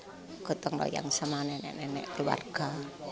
aku tuh ngeroyong sama nenek nenek keluarga